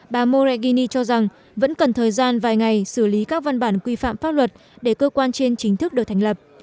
bà moragini cho rằng vẫn cần thời gian vài ngày xử lý các văn bản quy phạm pháp luật để cơ quan trên chính thức được thành lập